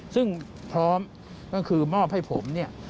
ซึ่งพร้อมก็คือมอบให้ผม